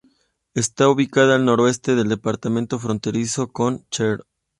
Está ubicada al noroeste del departamento, fronteriza con Cher.